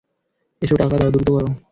এসো, টাকা দাও দ্রুত করো।